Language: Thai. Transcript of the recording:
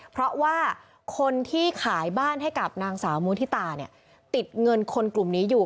เพราะว่าคนที่ขายบ้านให้กับนางสาวมุฒิตาเนี่ยติดเงินคนกลุ่มนี้อยู่